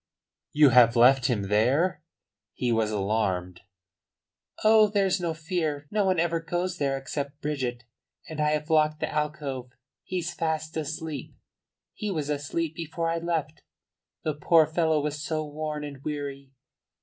"You have left him there?" He was alarmed. "Oh, there's no fear. No one ever goes there except Bridget. And I have locked the alcove. He's fast asleep. He was asleep before I left. The poor fellow was so worn and weary."